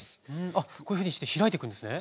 あっこういうふうにして開いていくんですね？